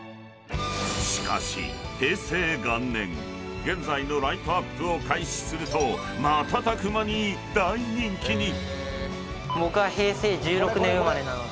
［しかし平成元年現在のライトアップを開始すると瞬く間に大人気に！］